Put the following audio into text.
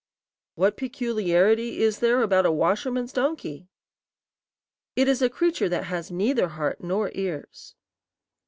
"What peculiarity is there about a washerman's donkey?" "It is a creature that has neither heart nor ears."